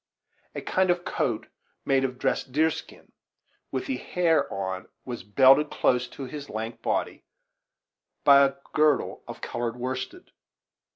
A kind of coat, made of dressed deer skin, with the hair on, was belted close to his lank body by a girdle of colored worsted.